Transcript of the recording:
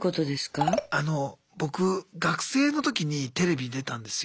僕学生の時にテレビ出たんですよ。